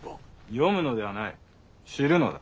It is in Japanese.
読むのではない知るのだ。